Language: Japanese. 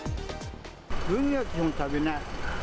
グミは基本食べない。